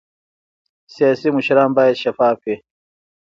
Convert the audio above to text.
سیاسي مشران باید شفاف وي